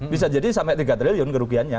bisa jadi sampai tiga triliun kerugiannya